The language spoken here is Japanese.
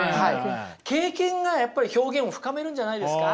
経験がやっぱり表現を深めるんじゃないですか。